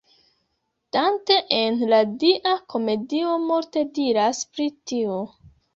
Dante en la Dia Komedio multe diras pri tio.